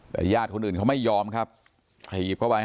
แต่ญาติคนอื่นเขาไม่ยอมครับถีบเข้าไป